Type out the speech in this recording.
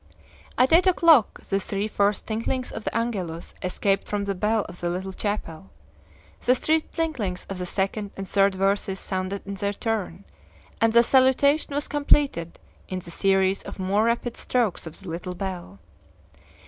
At eight o'clock the three first tinklings of the Angelus escaped from the bell of the little chapel. The three tinklings of the second and third verses sounded in their turn, and the salutation was completed in the series of more rapid strokes of the little bell.